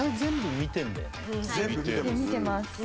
「見てます」